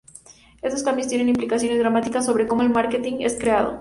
Estos cambios tienen implicaciones dramáticas sobre cómo el marketing es creado.